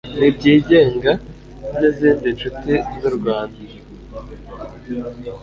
n ibyigenga n izindi nshuti z u rwanda